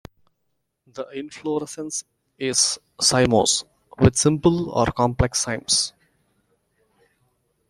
The inflorescence is cymose, with simple or complex cymes.